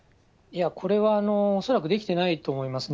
これは恐らくできてないと思いますね。